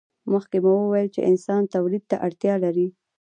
مخکې مو وویل چې انسانان تولید ته اړتیا لري.